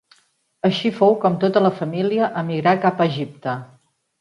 Així fou com tota la família emigrà cap a Egipte.